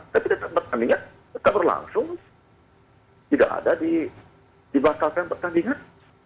tapi bertandingan kabar langsung tidak ada dibatalkan bertandingan